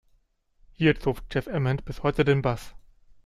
Hier zupft Jeff Ament bis heute den Bass.